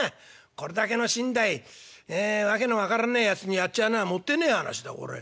これだけの身代訳の分からねえやつにやっちゃうのはもってえねえ話だこれ。